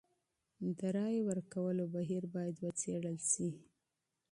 د رايې ورکولو بهير بايد وڅېړل سي.